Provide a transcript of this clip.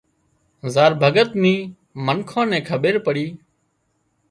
زار ڀڳت نِي منکان نين کٻيرپڙِي